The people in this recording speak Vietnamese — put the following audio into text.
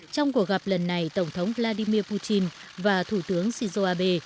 trong cuộc gặp lần này tổng thống vladimir putin và thủ tướng shinzo abe